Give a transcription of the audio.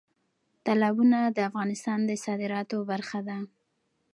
تالابونه د افغانستان د صادراتو برخه ده.